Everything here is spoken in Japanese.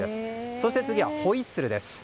そして次はホイッスルです。